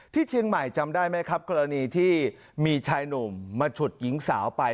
ที่เชียงใหม่จำได้ไหมครับกรณีที่มีชายหนุ่มมาฉุดหญิงสาวไป